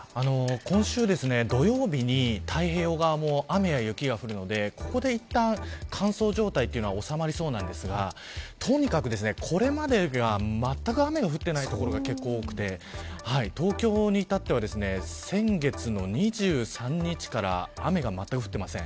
今週土曜日に太平洋側も雨や雪が降るのでここでいったん乾燥状態はおさまりそうですがとにかく、これまでがまったく雨が降っていない所が多くて東京に至っては先月の２３日から雨がまったく降っていません。